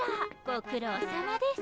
ご苦労さまです。